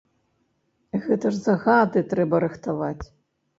Гэта ж загады трэба рыхтаваць.